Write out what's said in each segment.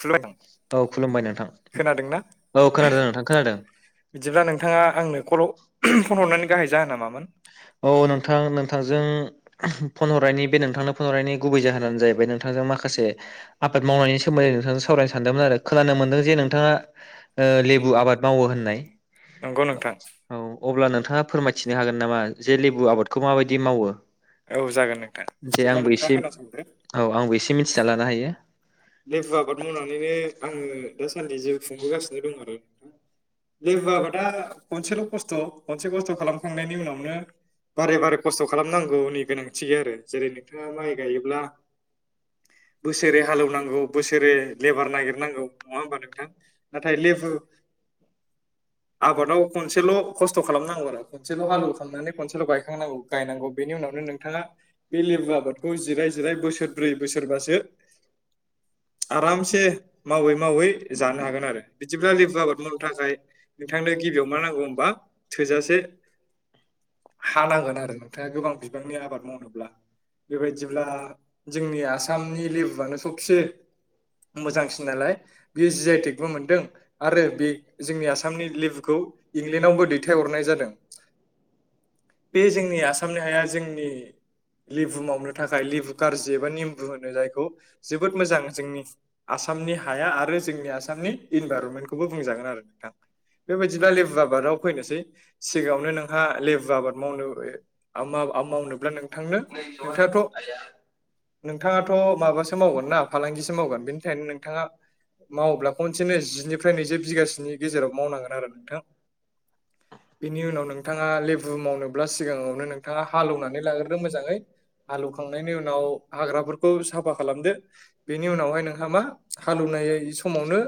खुलुमबाय औ खुलुमबाय नोंथां खोनादोंना औ खोनादों नोंथां खोनादों। बिदिब्ला नोंथाङा आंनो कल फन हरनायनि गाहाय [unintelligible] जाहोना मामोन औ नोंथां नोंथांजों फन हरनायनि बे नोंथांनो फन हरनायनि गुबै जाहोनानो जाहैबाय नों। थांजों माखासे आबाद मावनायनि सोन्दै सावरायनो सानदोंमोन आरो खोनानो मोनदों जे नोंथाङा ओ लेबु आबाद मावो होननाय। नंगौ नोंथां। औ अब्ला नोंथाङा फोरमायथिनो हागोन नामा जे लेबु आबादखौ माबायदि मावो। औ औ नोंथां जागोन दे बिदिब्ला आंबो नोंथाङा एसे खोनासंदो औ आंबो एसे मिथिना लानो हायो। लेबु आबाद। मावनानैनो आङो दासान्दि जिउ खुंबोगासिनो दं आरो लेबु आबादा मा होनो खनसेल' खस्थ' खनसे खस्थ' खालामखांनायनि उनावनो। बारे बारे खस्थ' खालामनांगौनि गोनांथि गैया आरो जेरै नोंथाङा माइ गायोब्ला। बोसोरै हालेवनांगौ बोसोरै लेबार नागिरनांगौ नङा होमबा नोंथां नाथाय लेबु। [unintelligible] आबादाव खनसेल' खस्थ' खालामनांगौ आरो खनसेल' हालव ख खालामनानै खनसेल' गायखांनांगौ गायनांगौ बेनि उनाव। नो नोंथाङा बे लेबु आबादखौ जिराय जिराय बोसोरब्रै बोसोरबासो आराम से मावै मावै जानो हागोन आरो बिदिब्ला लेबु आबाद मावनो थाखाय नोंथांनो गिबियाव मा ना गौ होमबा थोजासे [unintelligible] हानांगोन आरो नोंथाङा गोबां बिबांनि आबाद मावनोब्ला बेबायदिब्ला नों जोंनि आसामनि लेबुआनो सबसे मोजांसिन नालाय बेयो जि आइटेकबो मोनदों आरो बे जोंनि आसामनि लेबुखौ इंलेण्डआवबो दैथायहरनाय जादों। [inaudible] बे जोंनि आसामनि हाया जोंनि लेबु मावनो थाखाय लेबु कारजि एबा निमबु होनो जायखौ जोबोद मोजां जोंनि आसामनि हाया आरो जोंनि आसामनि इनभाइरनमेन्टखौबो बुंजागोन आरो नोंथां। बेबायदिब्ला लेबु आबादाव फैनोसै सिगाङावनो नोंहा लेबु आबाद मावनो ओ आमाव आमावनोब्ला नोंथांनो नोंथाङाथ' नोंथाङाथ' माबासो मावगोन ना फालांगिसो मावगोन बेनि थाखायायनो नोंथाङा मावब्ला खनसेनो जिनिफ्राय नैजि बिगासोनि गेजेराव मावनांगोन आरो नोंथां बेनि उनाव नोंथाङा लेबु मावनोब्ला सिगाङावनो नोंथाङा हालौवनानै लाग्रोदो मोजाङै हालौखांनायनि उनाव हाग्राफोरखौ साफा खालाम दो बेनि उनावहाय नोंहा मा हालौनाय समावनो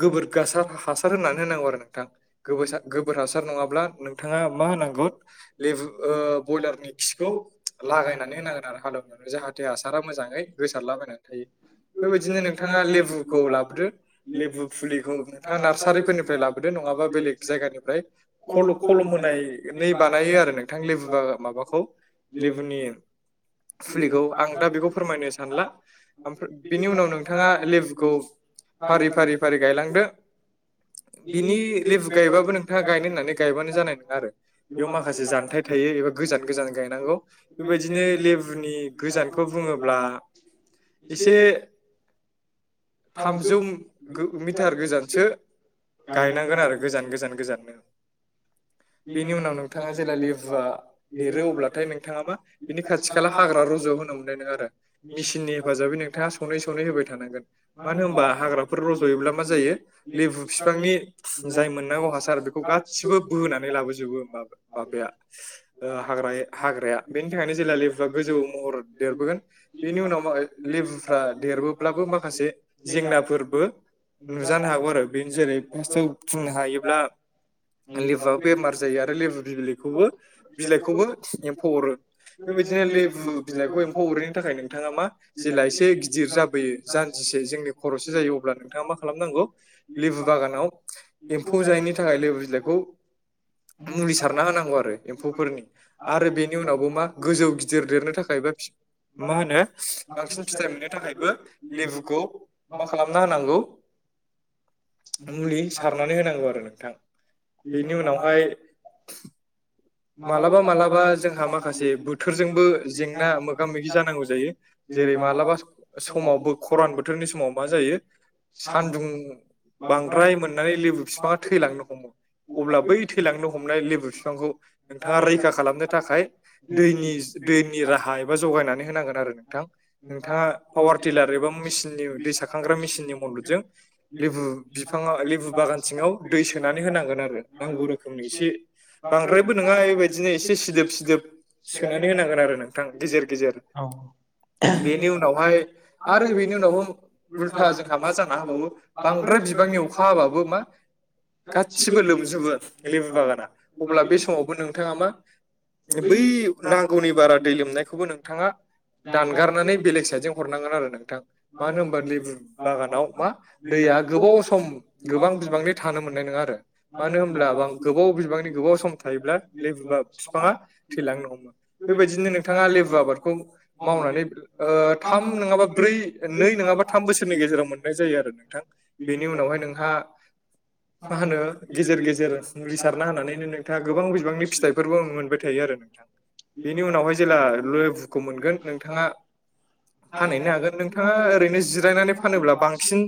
गोबोर गासार हासार होनानै होनांगौ आरो नोंथां गोबोर हासार नङाब्ला नोंथाङा मा होनांगौ लेबु ओ बयलारनि खिखौ लागायनानै होनांगोन आरो हालौनायाव जाहाथ थे हासारा मोजाङै गोसारलाबायनानै थायो बेबायदिनो नोंथाङा लेबुखौ लाबोदो लेबु फुलिखौ नोंथाङा नार्सारिफोरनिफ्राय लाबोदो नङाबा बेलेग जायगानिफ्राय खल' खल'म होनाय नै बानायो आरो नोंथां लेबु माबाखौ लेबुनि फुलिखौ [unintelligible] आं दा बेखौ फोरमायनो सानला ओमफ्रा बेनि उनाव नोंथाङा लेबुखौ फारि फारि फारि गायलांदो [inaudible] बिनि लेबु गायबाबो नोंथाङा गायनो होननानै गायबानो जानाय नोङा आरो बेयाव माखासे जानथाय थायो एबा गोजान गोजान गायनांगौ बेबायदिनो लेबुनि गोजानखौ बुङोब्ला इसे थामजौ ओम गो मिटार गोजानसो गायनांगोन आरो गोजान गोजान गोजाननो [inaudible] बेनि उनाव नोंथाङा जेला लेबुआ देरो अब्लाथाय नोंथाङा मा बिनि खाथि खाला हाग्रा रज' होनो मोननाय नोङा आरो मिचिननि हेफाजाबै नोंथाङा सनै सनै होबाय थांनांगोन मानो होमबा हाग्राफोर रज'योब्ला मा जायो लेबु फिफांनि जाय मोननांगौ हासार बेखौ गाससिबो बोना लाबोजोबो माब माबाया ओ हाग्रा हाग्राया बेनि थाखायनो जेला लेबुआ गोजौ महर देरबोगोन बेनि उनाव लेबुफ्रा देरबोब्लाबो माखासे जेंनाफोर बो नुजानो हागौ आरो बेनो जेरै फासाव बुंनो हायोब्ला [unintelligible] बुआ बेमार जायो आरो लेबु बिलाइखौबो बिलाइखौबो एमफौ अरो। बे बादिनो लेबु बेखौ एमफौ अरैनि थाखाय नोंथाङा मा जेला एसे गिदिर जाबोयो जानजिसे जोंनि खर'सा जायो अब्ला नोंथा थाङा मा खालामनांगौ लेबु बागानाव एमफौ जायैनि थाखाय लेबु बिलाइखौ [inaudible] मुलि सारना होनांगौ आरो एमफौफोरनि आरो बेनि उनावबो मा गोजौ गिदिर देरनो थाखाय खायबो फि मा होनो बांसिन फिथाइ मोननो थाखायबो लेबुखौ मा खालामना होनांगौ [inaudible] मुलि सारनानै होनांगौ आरो नोंथां बेनि उनावहाय मालाबा मालाबा जोंहा माखासे बोथोरजोंबो जेंना मोगा मोगि जानांगौ जायो जेरै मालाबा समावबो खरान बोथोरनि समाव मा जायो सानदुं बांद्राय मोननानै लेबु फिफाङा थैलांनो हमो। अब्ला बै थैलांनो हमनाय लेबु फिफांखौ नोंथाङा रैखा खालामनो थाखाय दैनि दैनि राहा एबा जगायनानै होनांगोन आरो नोंथां नोंथाङा पावार टिलार एबा मेचिन दैसारखांग्रा मेचिननि मददजों लेबु बिफाङाव लेबु बागानाव सिङाव दै सोनानै होनांगोन आरो नांगौ रोखोमनि एसे [unintelligible] दाबबो नङा बेबायदिनो एसे सिदोब सिदोब सोनानै होनांगोन आरो नोंथां गेजेर गेजेर बेनि उनावहाय आरो बेनि उनावबो उल्था जोंहा मा जाना होबावो बांद्राय बिबां अखा हाबाबो मा गासिबो लोमजोबो लेबु बागाना अब्ला बे समावबो नोंथाङा मा बै नांगौनि बारा दै लोमनायखौबो नोंथाङा दानगारनानै बेलेग साइद जों हरनांगोन आरो नोंथां मानो होन होनोमबा लेबु बागानाव मा दै या गोबाव सम गोबां बिबांनि थानो मोननाय नङा आरो मानो होनब्ला गोबाव बिबांनि गोबाव सम थायो ल बि थांनो बेबायदिनो नोंथाङा लेबु आबादखौ माव नावै ओ थाम नङाबा ब्रै नै नङाबा थाम बोसोरनि गेजेराव मोननाय जायो आरो नोंथां बेनि उनावहाय नोंहा मा होनो गेजेर गेजेर मुलि सारना होनानै नों थां गोबां बिबांनि फिथाइफोरबो मोनबाय थायो आरो नोंथां बेनि उनावहाय जेब्ला लेबुखौ मोनगोन नोंथाङा फानहैनो हागोन नोंथाङा ओरैनो जिरायनानै फानोब्ला बांसिन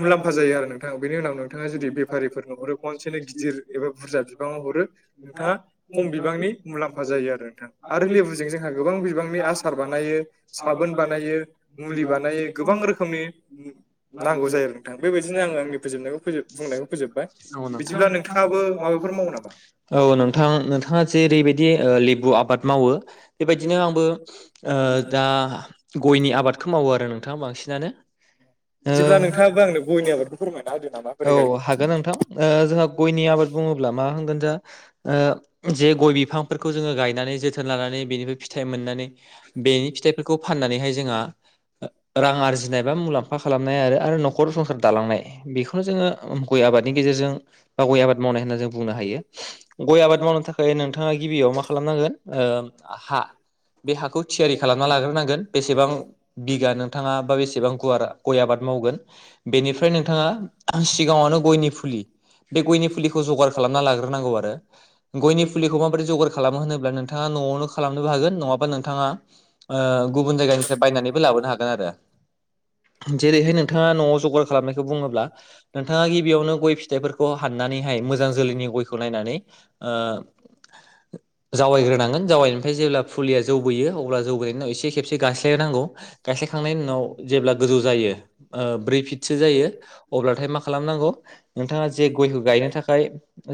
मुलाम्फा जायो आरो नोंथाङा बेनि उनाव नोंथाङा जुदि बेफारिफोरनो हरो खनसेनो गिदिर एबा बुरजा बिबाङाव हरो नोंथाङा खम बिबांनि मुलाम्फा जायो आरो नोंथां आरो लेबुजों जोंहा गोबां बिबांनि आसार बानायो साबोन बानायो मुलि बानायो गोबां रोखोमनि नांगौ जायो आरो नोंथां बेबायदिनो आङो आंनि फोबनायखौ बुंनायखौ फोजोबबाय बिदिब्ला नोंथाङाबो माबाफोर मावो नामा? औ नोंथां नोंथाङा जे ओरैबायदि लेबु आबाद मावो। बेबायदिनो आंबो दा गयनि आबादखौ मावो आरो नोंथाङा बांसिनानो बिदिब्ला ओ नोंथाङाबो आंनो गयनि आबादखौ फोरमाय औ हागोन नोंथां जोंहा गयनि आबाद बुङोब्ला मा होनगोन जा ओ जे गय बिफांफोरखौ जोङो गाय नानै जोथोन लानानै बेनिफ्राय फथ मोननानै बेनि फिथाइफोरखौ फाननानैहाय जोंहा रां आरजिनाय बा मुलाम्फा खालामनाय आरो आरो न'खर संसार दालांनाय बे बेखौनो जोङो गय आबादनि गेजेरजों बा गय आबाद मावनाय होनना जों बुंनो हायो गय आबाद मावनो थाखाय नोंथाङा गिबियाव मा खालामनांगोन हा बे हाखौ थियारि खालामना लाग्रोनांगोन बेसेबां बिगा नोंथाङा बा बेसेबां गुवार गय आबाद माव गोन बेनिफ्राय नोंथाङा सिगाङावनो गयनि फुलि बे गयनि फुलिखौ जगार खालामना लाग्रोनांगौ आरो गयनि फुलिखौ माबोरै जगार खालामो होनोब्ला नोंथाङा न'आवनो खालामनोबो हागोन नङाबा नोंथाङा गुबुन जायगानिफ्राय बायनानैबो लाबोनो हागोन आरो जेरैहाय नोंथाङा न'आव जगार खालामनायखौ बुङोब्ला नोंथाङा गिबियावनो गय फिथाइफोरखौ हाननानैहाय मोजां जोलैनि गयखौ नायनानै आ जावायग्रोनांगोन जावैनिफ्राय जेब्ला फुलिया जौबोैयो अब्ला जौगैनायनिनाव एसे खेबसे गासस्लायोनांगौ गायस्लायखांनायनि उनाव जेब्ला गोजौ जायो ब्रै फिटसो जायो अब्लाथाय मा खालामनांगौ नोंथाङा जे गयखौ गायनो थाखाय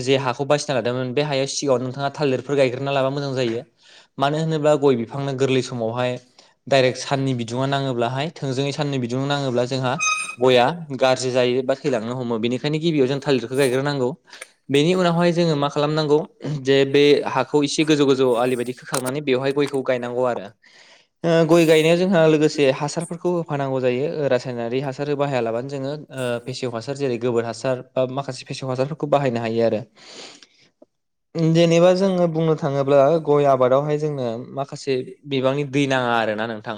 जे हाखौ बासिना लादोंमोन बे हायाव सिगाङाव नोंथाङा थालिरफोर गायग्रोना लाबा मोजां जायो मानो होनोब्ला गय बिफांनो गोरलै समावहाय डाइरेक्ट साननि बिदुङा नाङोब्लाहाय थोंजोङै साननि बिदुुं नाङोब्ला जोंहा गया गाज्रि जायो बा थैलांनो हमो बेनिखायनो गिबियाव जों थालिरखौ गाय्रोनांगौ बेनि उनावहाय जोङो मा खालामनांगौ जे बे हाखौ इसे गोजौ गोजौ आलि बायदि खोखांनानै बेवहाय गयखौ गायनांगौ आरो गय गायनायाव जोंहा लोगोसे हासारफोरखौ होफानांगौ जायो रासायनारि हासार बाहायालाबानो जोङो। ओ फेसेव हासार जेरै गोबोर हासार बा माखासे फेसेव हासारफोरखौ बाहायनो हायो आरो। जेनेबा जोङो बुंनो थाङोब्ला गय आबादावहाय जोंनो माखासे बिबांनि दै नाङा आरो ना नोंथां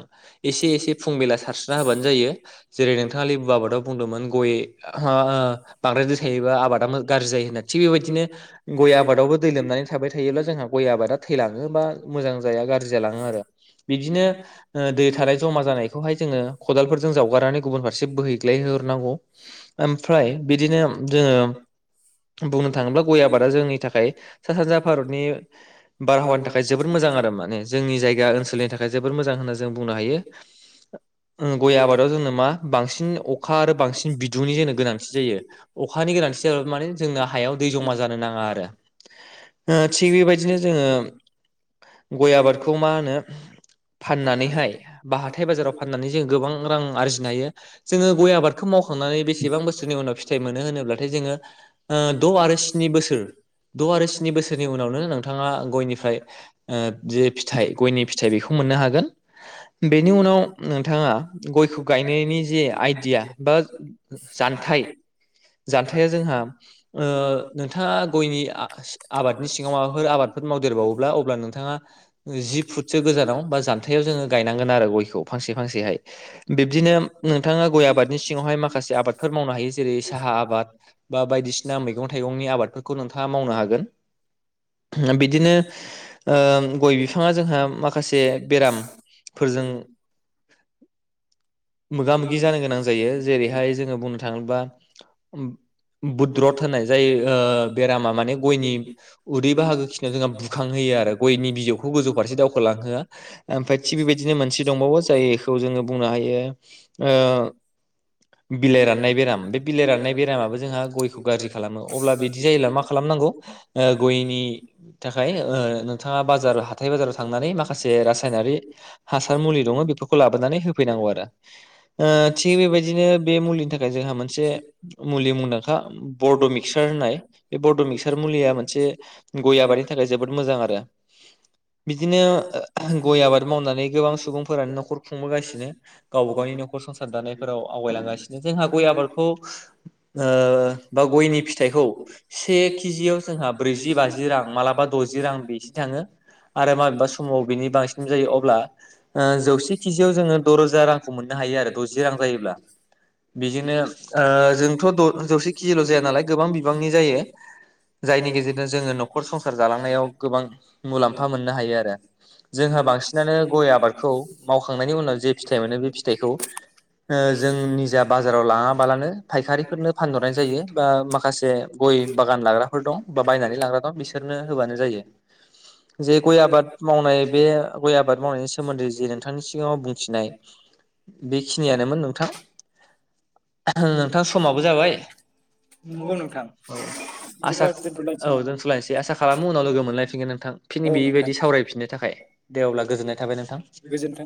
एसे एसे फुंबिला सारस्रिना होबानो जायो जेरै नोंथाङ लेबु आबादाव बुंदों। गय ह बांद्राय थायोबा आबादा गाज जायो थि बेबायदिनो गय आबादावबो। दै लोमनानै थाबाय थायोब्ला जोंहा गय आबादा थैलाङो बा मोजां जाया गाज्रि जालाङो आरो। बिदिनो दै थानाय जमा जानायखौहाय जोङो खदालफोरजों जावगारनानै गुबुनफोर। फारसे बोहैग्लायहोहरनांगौ ओमफ्राय बिदिनो जोङो। बुंनो थाङोब्ला गय आबादा जोंनि थाखाय सा सानजा भारतनि बारहावानि थाखाय जोबोद मोजां। मोजां आरो माने जोंनि जायगा ओनसोलनि थाखाय जोबोर मोजां होनना जों बुंनो हायो। उम गय आबादाव जोंनो मा बांसिन अखा आरो बांसिन बिदुंनि जोंनो गोनांथि जायो। अखानि गोनांथि जाबाबो माने जोंनो हायाव दै जमा जानो नाङा आरो। ओ थिग बेबायदिनो जोङो गय आबादखौ मा होनो। फाननानैहाय बा हाथाय बाजाराव फाननानै जों गोबां रां आरजिनो हायो। जोङो गय आबादखौ मावखां नानै बेसेबां बोसोरनि उनाव फिथाइ मोनो होनोब्लाथाय जोङो द' आरो स्नि बोसोर। द' आरो स्नि बोसोरनि उनावनो नोंथाङा गयनिफ्राय ओ जे फिथाइ गयनि फिथाइ बेखौ मोननो हा बेनि उनाव नोंथाङा गयखौ गायनायनि जे आइडिया बा जानथाइ जानथाया जोंहा ओ नोंथाङा गयनि आ-आबादनि सिङाव माबाफोर आबादफोर मावद देरबावोब्ला अब्ला नोंथाङा ओ जि फुटसो गोजानाव बा। जानथायाव जोङो गायनांगोन आरो गयखौ फांसे फांसेहाय बिब्दिनो नोंथाङा गय आबादनि सिङावहाय माखासे। से आबादफोर मावनो हायो। जेरै साहा आबाद बा बायदिसिना मैगं थाइगंनि आबादफोरखौ नोंथाङा मावनो हागोन। बिदिनो ओ गय बिफाङा जोंहा माखासे बेरा मफोरजों मोगा मोगि जानो गोनां जायो। जेरैहाय जोङो बुंनो थाङोब्ला बुद्रथ होननाय जायो ओ बेरामा माने गयनि उदै बाहागो खिनियाव जोंहा बुखांहैयो। आरो गयनि बिजौखौ गोजौ फारसे दावखोलांहोआ ओमफ्राय थि बेबायदिनो मोनसे दंबावो जायखौ जोङो। बुंनो हायो ओ बिलाइ राननाय बेराम बिलाइ राननाय बेरामाबो जोंहा गयखौ गाज्रि खालामो अब्ला बिदि जायोब्ला मा खालामनांगौ ओ गयनि। थाखाय ओ नोंथाङा बाजार हाथाय बाजाराव थांनानै माखासे रासायनारि हासार मुलि द ङ' बेफोरखौ लाबोनानै होफैनांगौ आरो। ओ थिग बेबायदिनो बे मुलिनि थाखाय जोंहा मोनसे। मुलि मुंदांखा बरड' मिक्सार होननाय बे बरड' मिक्सार मुलिया मोनसे गय आबादनि थाखाय जोबोद मोजां आरो। बिदिनो ओ गय आबाद मावनानै गोबां सुबुंफोरानो न'खर खुंबोगासिनो गाव गावबा गावनि न'खर संसार दानायफोराव आवगायलांगासिनो जोंहा गय आबादखौ बा गयनि फिथाइखौ से केजियाव जोंहा ब्रैजि बाजि रां मालाबा द' जि रां बेसे थाङो। आरो माबेबा समाव बिनि बांसिन जायो अब्ला जौसे केजियाव जोङो द'रोजा रांखौ मोननो। हायो आरो दजि रां जायोब्ला। बेजोंनो जोंथ' जौसे केजिल' जाया नालाय गोबां बिबांनि जायो। जायनि गेजेरजों जोङो नखर संसार जालांनायाव गोबां मुलाम्फा मोननो हायो आरो जोंहा बांसिनानो गय आबादखौ मावखांनायनि उनाव जे फिथाइ मोनो बे फिथाइ खौ ओ जों निजा बाजाराव लाङा बालानो फायखारिफोरनो फानहरनाय जायो बा माखासे गय बागान लाग्राफोर दं बा बायनानै लाग्रा दं बिसोरनो होबानो जायो। जे गय आबाद मावनाय बे गय आबाद मावनायनि सोमोन्दै जि नोंथांनि सिगाङाव बुंथिनाय। बेखिनियानोमोन नोंथां। नोंथां समाबो जाबाय। नंगौ नोंथां औ बिदिब्ला आसा दोनथ'लायनोसै औ नामा दोनथुलायसै आसा खालामो उनाव लोगो मोनलायफिनगोन नोंथां। खिनि औ नोंथां बेबायदि सावरायफिननो थाखाय दे अब्ला गोजोननाय थाबाय नोंथां। गोजोन्थों।